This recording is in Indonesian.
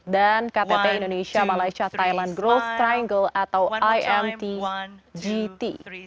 dan ktp indonesia malaysia thailand growth triangle atau imtgt